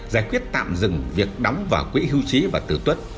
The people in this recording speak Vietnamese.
giải quyết tạm dừng việc đóng vào quỹ hưu trí và tử tuất